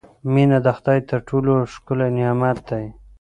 • مینه د خدای تر ټولو ښکلی نعمت دی.